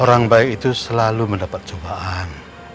orang baik itu selalu mendapat cobaan